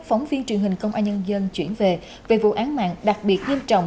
phóng viên truyền hình công an nhân dân chuyển về về vụ án mạng đặc biệt nghiêm trọng